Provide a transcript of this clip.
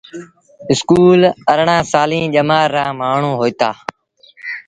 اسڪول ارڙآن سآليٚݩ ڄمآر رآ مآڻهوٚݩ هوئيٚتآ۔